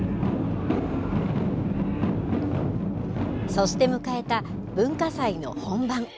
そして迎えた文化祭の本番。